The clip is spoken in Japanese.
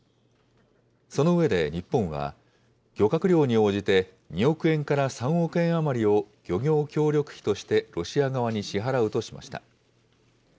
その上で日本は、漁獲量に応じて、２億円から３億円余りを漁業協力費としてロシア側に支払うとしました。